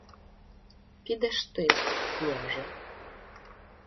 — Підеш ти, княже.